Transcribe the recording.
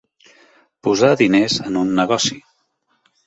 Posar diners en un negoci.